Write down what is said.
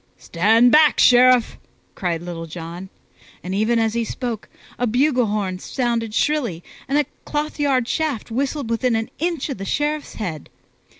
"Stand back, Sheriff!" cried Little John; and even as he spoke, a bugle horn sounded shrilly and a clothyard shaft whistled within an inch of the Sheriff's head.